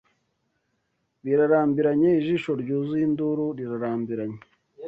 Birarambiranye ijisho ryuzuye induru rirarambiranye